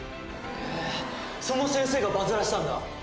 へぇその先生がバズらせたんだ。